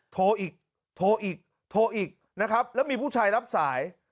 โทรอีกโทรอีกโทรอีกนะครับแล้วมีผู้ชายรับสาย